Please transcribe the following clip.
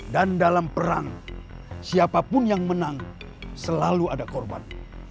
dan dalam perang siapapun yang menang selalu ada korban